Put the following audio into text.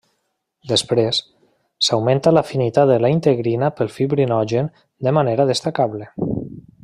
Després, s’augmenta l’afinitat de la integrina pel fibrinogen de manera destacable.